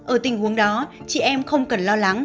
ở tình huống đó chị em không cần lo lắng